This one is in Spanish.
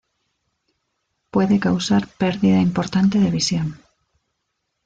Puede causar perdida importante de visión.